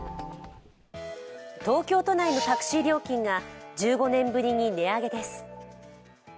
東京都内のタクシー料金が１５年ぶりに値上げです。